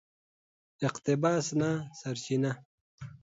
اقتباس نه سرچینه